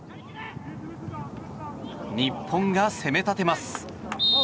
日本が攻め立てます。